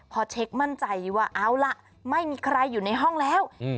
พอเช็คมั่นใจว่าเอาล่ะไม่มีใครอยู่ในห้องแล้ว